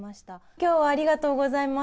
きょうはありがとうございます。